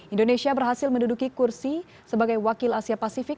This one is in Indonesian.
indonesia berhasil menduduki kursi sebagai wakil asia pasifik